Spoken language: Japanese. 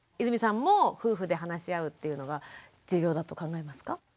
泉さんも夫婦で話し合うっていうのが重要だと考えますか？